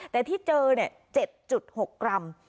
แต่ที่เจอ๗๖กรัม